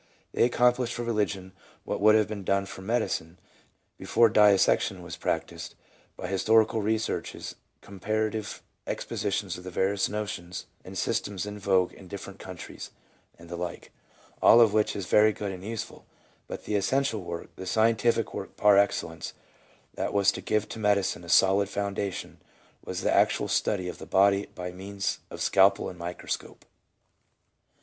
They accomplish for religion what would have been done for medicine, before dissection was practiced, by historical researches, comparative expo sitions of the various notions and systems in vogue in differ ent countries, and the like ; all of which is very good and use ful ; but the essential work, the scientific work par excellence, that was to give to medicine a solid foundation, was the actual study of the body by means of scalpel and micro scope.